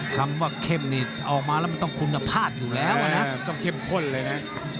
คำว่าเข้มนี่ต้องคุณภาษณ์อยู่แล้วนะ